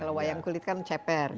kalau wayang kulit kan ceper